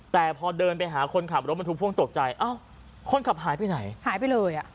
แต่พอเดินไปหาคนขับรถบรรทุกพ่วงตกใจอ้าวคนขับหายไปไหนหายไปเลยอ่ะ